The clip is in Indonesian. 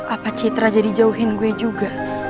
apa citra jadi jauhin gue juga